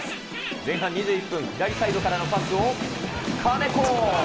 前半２１分、左サイドからのパスを、金子。